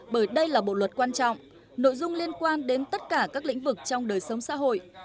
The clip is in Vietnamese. bởi đây là bộ luật quan trọng nội dung liên quan đến tất cả các lĩnh vực trong đời sống xã hội